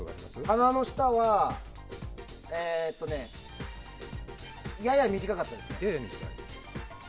鼻の下はやや短かったですね。